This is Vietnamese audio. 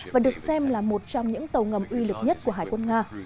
và được xem là một trong những tàu ngầm uy lực nhất của hải quân nga